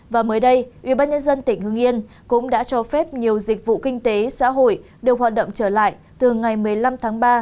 và mới đây ubnd tỉnh hương yên cũng đã cho phép nhiều dịch vụ kinh tế xã hội được hoạt động trở lại từ ngày một mươi năm tháng ba